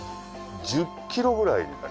１０キロぐらいになります。